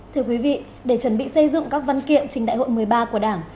thưa quý vị để chuẩn bị xây dựng các văn kiện trình đại hội một mươi ba của đảng